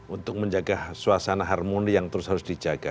untuk menjaga suasana harmoni yang terus harus dijaga